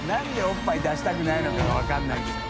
燭おっぱい出したくないのかが分からないんだよ。